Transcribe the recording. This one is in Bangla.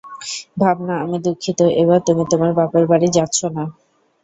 ভাবনা, আমি দুঃখিত, এইবার তুমি তোমার বাপের বাড়ী যাচ্ছো না।